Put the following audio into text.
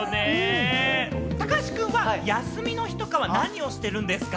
高橋君は休みの日とかは、何をしてるんですか？